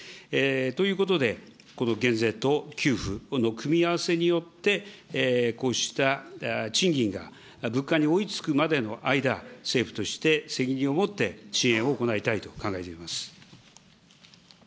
ということで、この減税と給付の組み合わせによって、こうした賃金が物価に追いつくまでの間、政府として、責任を持って支援を行いたいと考えております。